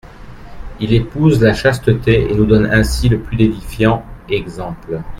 Il épouse la chasteté et nous donne ainsi le plus édifiant exemple.